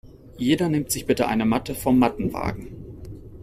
Jeder nimmt sich bitte eine Matte vom Mattenwagen.